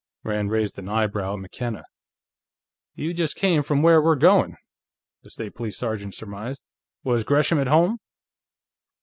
Rand raised an eyebrow at McKenna. "You just came from where we're going," the State Police sergeant surmised. "Was Gresham at home?"